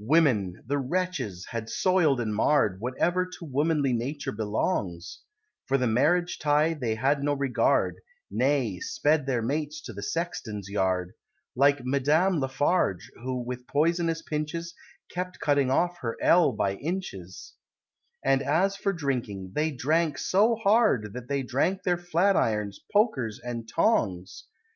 Women! the wretches! had soil'd and marr'd Whatever to womanly nature belongs; For the marriage tie they had no regard, Nay, sped their mates to the sexton's yard, (Like Madame Laffarge, who with poisonous pinches Kept cutting off her L by inches) And as for drinking, they drank so hard That they drank their flat irons, pokers, and tongs!